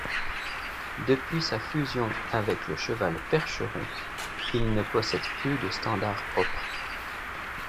Depuis sa fusion avec le cheval percheron, il ne possède plus de standard propre.